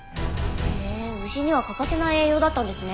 へえー牛には欠かせない栄養だったんですね。